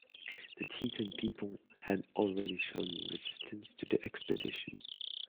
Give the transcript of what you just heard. The Teton people had already shown resistance to the expedition.